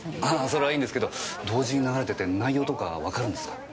それはいいんですけど同時に流れてて内容とかわかるんですか？